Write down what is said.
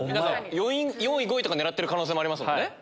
４位５位とか狙ってる可能性もありますもんね。